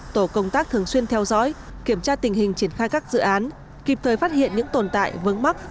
tổ công tác thường xuyên theo dõi kiểm tra tình hình triển khai các dự án kịp thời phát hiện những tồn tại vướng mắc